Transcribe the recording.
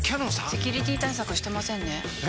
セキュリティ対策してませんねえ！